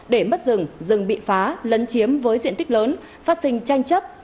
để mất rừng rừng rừng bị phá lấn chiếm với diện tích lớn phát sinh tranh chấp